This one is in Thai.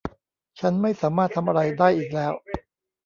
ฉันไม่สามารถทำอะไรได้อีกแล้ว